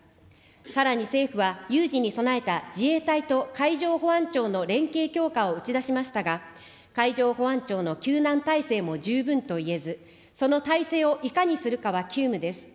さらに政府は、有事に備えた自衛隊と海上保安庁の連携強化を打ち出しましたが、海上保安庁の救難体制も十分といえず、その体制をいかにするかは急務です。